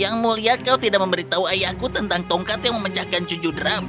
yang mulia kau tidak memberitahu ayahku tentang tongkat yang memecahkan cucu drum